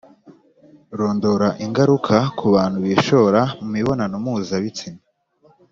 Rondora ingaruka ku bantu bishora mu mibonano mpuzabitsina